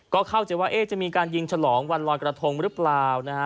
ก็เข้าใจว่าจะมีการยิงฉลองวันลอยกระทงหรือเปล่านะฮะ